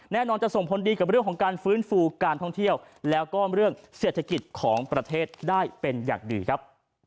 แน่นอนจะส่งผลดีกับเรื่องของการฟื้นฟูการท่องเที่ยวแล้วก็เรื่องเศรษฐกิจของประเทศได้เป็นอย่างดีครับ